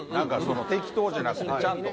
適当じゃなくて、ちゃんと。